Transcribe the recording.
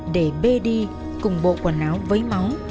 để bê đi cùng bộ quần áo vấy máu